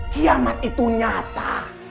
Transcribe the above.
kiamat itu nyata